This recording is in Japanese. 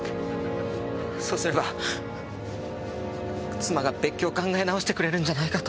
そうすれば妻が別居を考え直してくれるんじゃないかと。